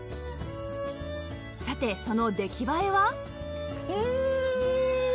さてその出来栄えは？